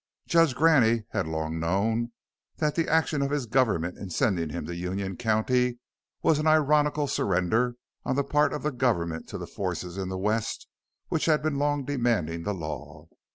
Judge Graney had long known that the action of his government in sending him to Union County was an ironical surrender on the part of the government to the forces in the West which had been long demanding the Law.